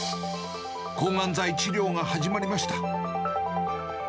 抗がん剤治療が始まりました。